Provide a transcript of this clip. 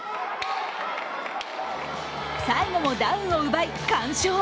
最後もダウンを奪い、完勝。